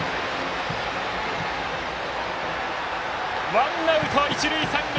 ワンアウト、一塁、三塁！